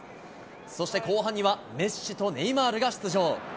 そして後半には、メッシとネイマールが出場。